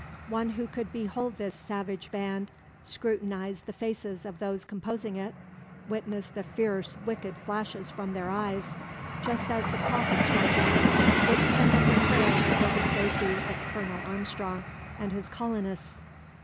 One who could behold this savage band, scrutinise the faces of those composing it, witness the fierce wicked flashes from their eyes, just as the clock is striking, would send up a prayer for the safety of Colonel Armstrong and his colonists.